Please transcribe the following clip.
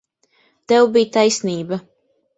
Tev bija taisnība.